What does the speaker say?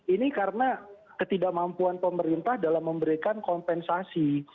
ini karena ketidakmampuan pemerintah dalam memberikan kompensasi